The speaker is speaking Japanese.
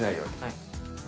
はい。